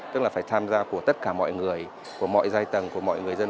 tức là phải tham gia của tất cả mọi người của mọi giai tầng của mọi người dân